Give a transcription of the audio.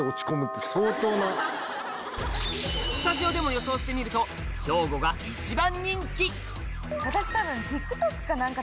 スタジオでも予想してみると兵庫が一番人気私多分。